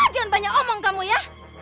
jangan banyak ngomong kamu ya